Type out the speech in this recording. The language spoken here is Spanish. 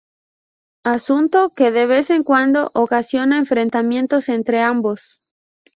Asunto que de vez en cuando, ocasiona enfrentamientos entre ambos.